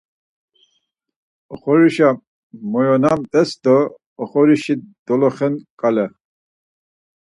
Oxorişe moyonamt̆es do oxorişi doloxenǩale.